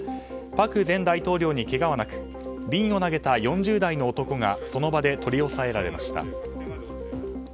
朴前大統領に、けがはなく瓶を投げた４０代の男がその場で取り押さえられました。